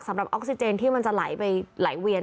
สำหรับออกซิเจนที่มันจะไหลเข้าไปไหลเวียน